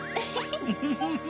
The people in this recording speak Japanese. フフフ。